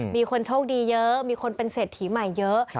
มีคนโชคดีเยอะมีคนเป็นเศรษฐีใหม่เยอะ